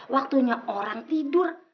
waktunya orang tidur